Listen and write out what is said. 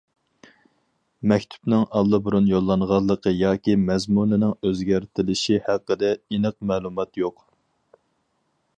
مەكتۇپنىڭ ئاللىبۇرۇن يوللانغانلىقى ياكى مەزمۇنىنىڭ ئۆزگەرتىلىشى ھەققىدە ئېنىق مەلۇمات يوق.